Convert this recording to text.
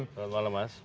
selamat malam mas